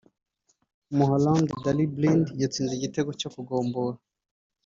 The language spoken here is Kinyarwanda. Umuholandi Daley Blind yatsinze igitego cyo kugombora